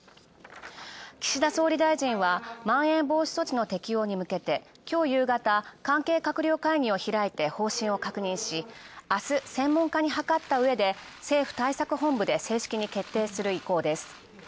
岸田総理大臣はまん延防止措置の適用にむけてきょう夕方、関係閣僚会議を開いて方針を確認し、あす、専門家にはかったうえで政府対策本部で正式に決定する意向です。